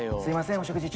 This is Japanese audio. お食事中。